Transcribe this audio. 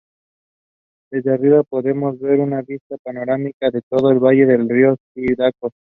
Desde arriba podemos ver una vista panorámica de todo el valle del río Cidacos.